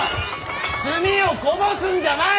墨をこぼすんじゃない！